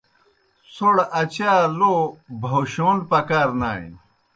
څھوْڑ اچا لو بَہَوشون پکار نانیْ۔